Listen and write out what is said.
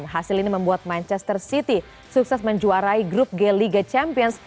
hasil ini membuat manchester city sukses menjuarai grup g liga champions